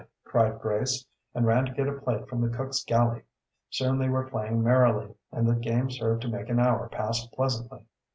cried Grace, and ran to get a plate from the cook's galley. Soon they were playing merrily, and the game served to make an hour pass pleasantly.